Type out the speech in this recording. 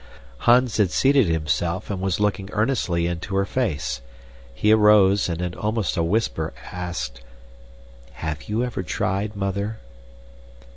Hans had seated himself and was looking earnestly into her face. He arose and, in almost a whisper, asked, "Have you ever tried, Mother?"